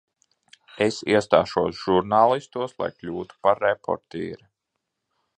Es iestāšos žurnālistos, lai kļūtu par reportieri.